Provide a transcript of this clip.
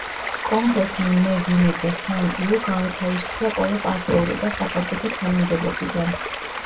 კონგრესმა ნე ვინი და სან იუ გაათავისუფლა ყველა პარტიული და სახელმწიფო თანამდებობიდან.